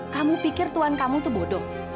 kamu pikir tuhan kamu tuh bodoh